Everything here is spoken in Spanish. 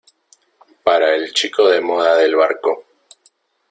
para el chico de moda del barco.